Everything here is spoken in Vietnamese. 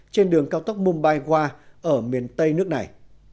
trên đường cao tốc mumbai wa ở miền tây nước này